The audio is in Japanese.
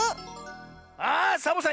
あサボさん